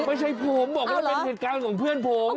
ไม่ใช่ผมบอกว่ามันเป็นเหตุการณ์ของเพื่อนผม